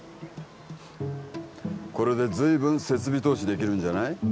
これで随分設備投資できるんじゃない？